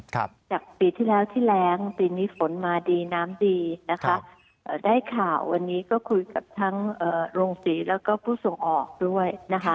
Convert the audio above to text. นั้นแต่ปีที่แล้วที่แรงปีนี้ฝนมาดีหน้าดีได้ข่าววันนี้ก็คุยกับทั้งโรงสิทธิ์แล้วก็พูดส่งออกด้วย